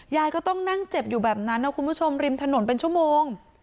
ยายก็ต้องนั่งเจ็บอยู่แบบนั้นนะคุณผู้ชมริมถนนเป็นชั่วโมง